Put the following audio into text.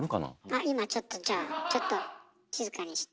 あっ今ちょっとじゃあちょっと静かにして。